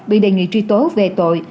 bị đề nghị truy tố về tội